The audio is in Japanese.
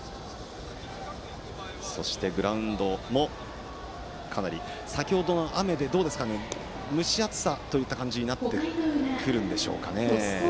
そしてグラウンドの方も先程の雨で蒸し暑さという感じになってくるんでしょうかね。